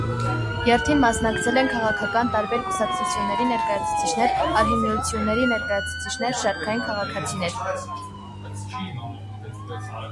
Երթին մասնակցել են քաղաքական տարբեր կուսակցությունների ներկայացուցիչներ, արհմիությունների ներկայացուցիչներ, շարքային քաղաքացիներ։